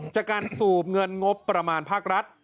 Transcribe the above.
จากการสูบเงินงบประมาณภาครัฐ